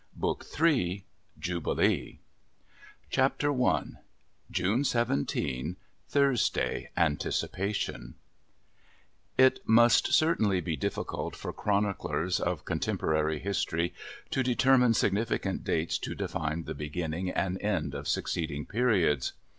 Book III Jubilee Chapter I June 17, Thursday: Anticipation It must certainly be difficult for chroniclers of contemporary history to determine significant dates to define the beginning and end of succeeding periods.